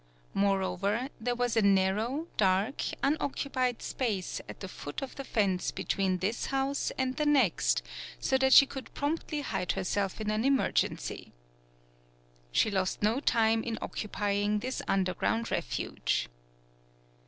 Moreover, there was a narrow, dark, unoccupied space at the foot of the fence between this house and the next, so that she could promptly hide herself in an emergency. She lost no time in occupying this un derground refuge.